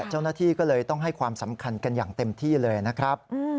เจ้าหน้าที่ก็เลยต้องให้ความสำคัญกันอย่างเต็มที่เลยนะครับ